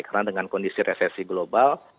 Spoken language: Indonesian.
karena dengan kondisi resesi global